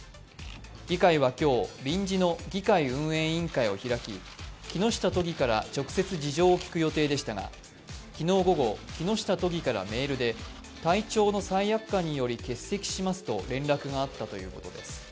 議会は今日、臨時の議会運営委員会を開き、木下都議から直接事情を聴く予定でしたが昨日午後、木下都議からメールで体調の再悪化により欠席しますと連絡があったということです。